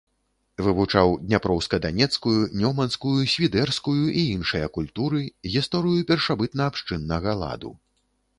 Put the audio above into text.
Вывучаў дняпроўска-данецкую, нёманскую, свідэрскую і іншыя культуры, гісторыю першабытна-абшчыннага ладу.